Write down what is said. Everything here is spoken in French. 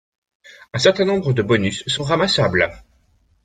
Un certain nombre de bonus sont ramassables.